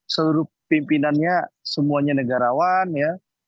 seluruh pimpinannya semuanya negarawan ya